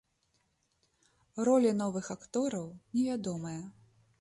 Ролі новых актораў невядомыя.